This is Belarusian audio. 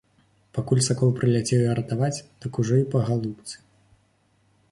Пакуль сакол прыляцеў яе ратаваць, дык ужо і па галубцы.